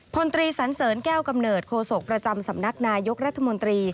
พลตรีสันเสริญแก้วกำเนิดโคศกประจำสำนักนายกรัฐมนตรี